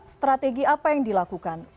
strategi apa yang dilakukan